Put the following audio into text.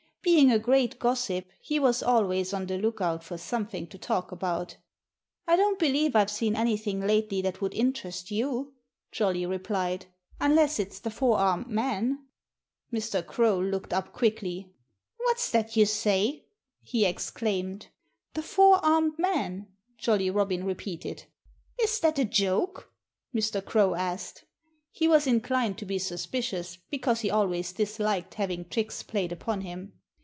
Being a great gossip, he was always on the lookout for something to talk about. "I don't believe I've seen anything lately that would interest you," Jolly replied, "unless it's the four armed man." Mr. Crow looked up quickly. "What's that you say?" he exclaimed. "The four armed man!" Jolly Robin repeated. "Is that a joke?" Mr. Crow asked. He was inclined to be suspicious, because he always disliked having tricks played upon him.